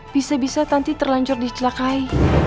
bisa bisa tanti terlanjur di celakai